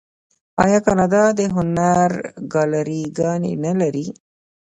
آیا کاناډا د هنر ګالري ګانې نلري؟